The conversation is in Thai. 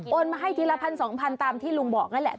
มาให้ทีละพันสองพันตามที่ลุงบอกนั่นแหละ